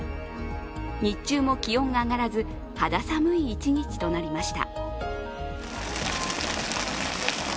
日中も気温が上がらず肌寒い一日となりました。